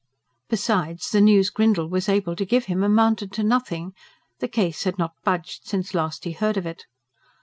Besides, the news Grindle was able to give him amounted to nothing; the case had not budged since last he heard of it.